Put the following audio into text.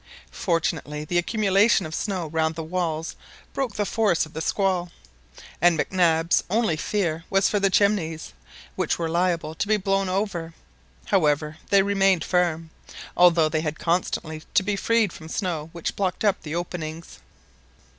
Fortunately the accumulation of snow round the walls broke the force of the squall, and Mac Nabs only fear was for the chimneys, which were liable to be blown over. However, they remained firm, although they had constantly to be freed from the snow which blocked up the openings.